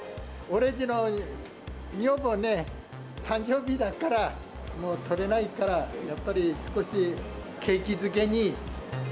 俺んちの女房ね、誕生日だから、もう取れないから、やっぱり少し景気づけに。